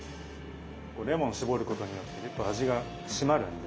レモン搾ることによってギュッと味が締まるんで。